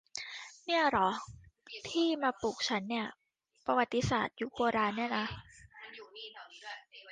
นี่อ่ะหรอที่มาปลุกฉันเนี่ย ประวัติศาสตร์ยุคโบราณเนี่ยนะ